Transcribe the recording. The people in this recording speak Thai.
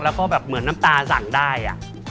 แล้วก็แบบเหมือนน้ำตาสั่งได้